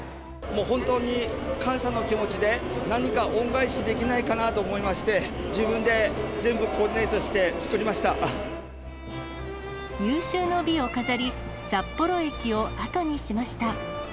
もう本当に感謝の気持ちで、何か恩返しできないかなと思いまして、自分で全部コーディネート有終の美を飾り、札幌駅を後にしました。